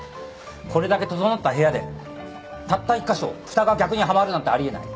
これだけ整った部屋でたった１カ所ふたが逆にはまるなんてあり得ない。